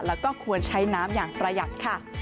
แล้วก็ควรใช้น้ำอย่างประหยัดค่ะ